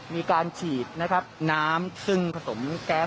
มีการฉีดนะครับน้ำซึ่งผสมแก๊ส